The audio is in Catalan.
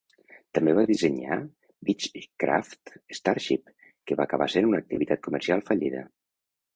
També va dissenyar Beechcraft Starship que va acabar sent una activitat comercial fallida.